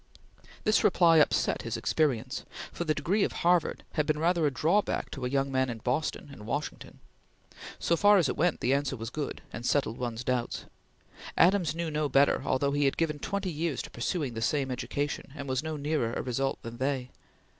This reply upset his experience; for the degree of Harvard College had been rather a drawback to a young man in Boston and Washington. So far as it went, the answer was good, and settled one's doubts. Adams knew no better, although he had given twenty years to pursuing the same education, and was no nearer a result than they.